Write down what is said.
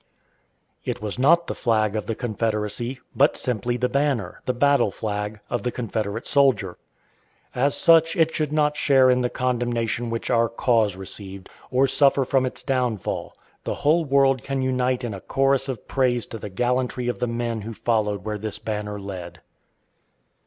It was not the flag of the Confederacy, but simply the banner, the battle flag, of the Confederate soldier. As such it should not share in the condemnation which our cause received, or suffer from its downfall. The whole world can unite in a chorus of praise to the gallantry of the men who followed where this banner led.